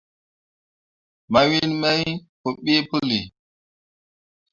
Mawin main pǝbeʼ pǝlli.